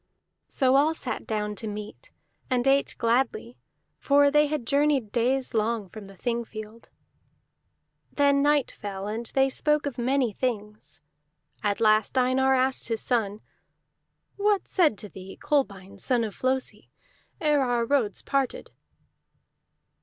So all sat down to meat, and ate gladly, for they had journeyed days long from the Thing field. Then night fell, and they spoke of many things; at last Einar asked his son: "What said to thee Kolbein son of Flosi, there ere our roads parted?"